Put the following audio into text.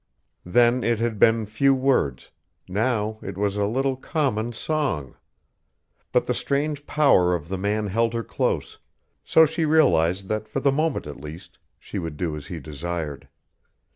Then it had been few words, now it was a little common song. But the strange power of the man held her close, so she realized that for the moment at least she would do as he desired.